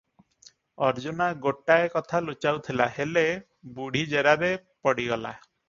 ଅର୍ଜୁନା ଗୋଟାଏ କଥା ଲୁଚାଉଥିଲା - ହେଲେ, ବୁଢ଼ୀ ଜେରାରେ ପଡ଼ିଗଲା ।